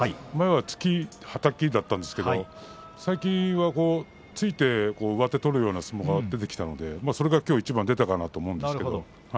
前は突き、はたきだったんですけれど最近は突いて上手を取るような相撲が出てきたのできょうはそれがいちばん出たかなと思うんですけれど。